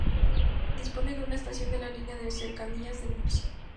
Dispone de una estación de la línea de Cercanías de Murcia.